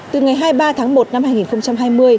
từ ngày hai mươi ba tháng một năm hai nghìn hai mươi